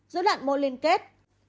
dấu đạn môi liên kết